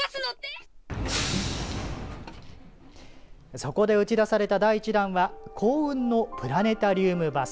そこで打ち出された第１弾は幸運のプラネタリウムバス。